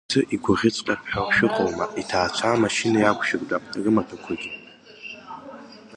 Уара, иԥсы игәаӷьыҵәҟьап ҳәа шәыҟоума, иҭаацәа амашьына иақәшәыртәа, рымаҭәақәагьы.